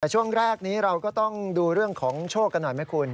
แต่ช่วงแรกนี้เราก็ต้องดูเรื่องของโชคกันหน่อยไหมคุณ